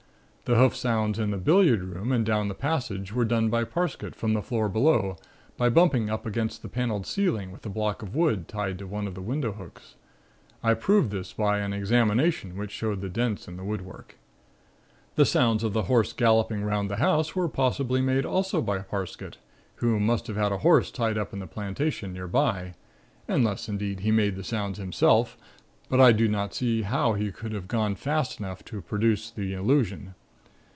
"The hoof sounds in the billiard room and down the passage were done by Parsket from the floor below by bumping up against the paneled ceiling with a block of wood tied to one of the window hooks. I proved this by an examination which showed the dents in the woodwork. "The sounds of the horse galloping 'round the house were possibly made also by Parsket, who must have had a horse tied up in the plantation nearby, unless, indeed, he made the sounds himself, but I do not see how he could have gone fast enough to produce the illusion.